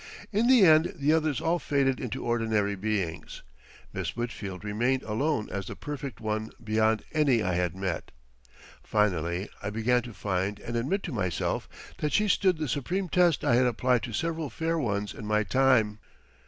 In the end the others all faded into ordinary beings. Miss Whitfield remained alone as the perfect one beyond any I had met. Finally I began to find and admit to myself that she stood the supreme test I had applied to several fair ones in my time.